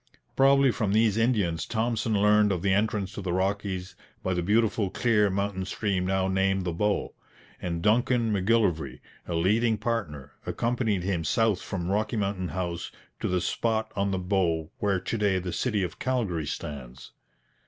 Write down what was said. Probably from these Indians Thompson learned of the entrance to the Rockies by the beautiful clear mountain stream now named the Bow; and Duncan M'Gillivray, a leading partner, accompanied him south from Rocky Mountain House to the spot on the Bow where to day the city of Calgary stands.